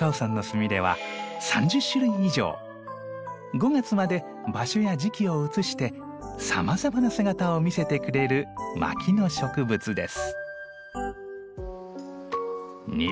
５月まで場所や時期を移してさまざまな姿を見せてくれる牧野植物です。